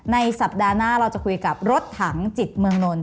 ในสัปดาห์หน้าเราจะคุยกับรถถังจิตเมืองนนท